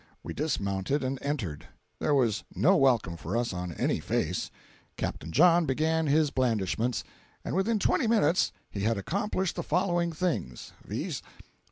We dismounted and entered. There was no welcome for us on any face. Capt. John began his blandishments, and within twenty minutes he had accomplished the following things, viz.